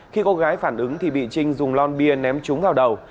khi cô gái phản ứng thì bị trinh dùng lon bia ném trúng vào đầu